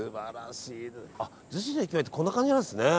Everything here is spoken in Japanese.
逗子の駅前ってこんな感じなんですね。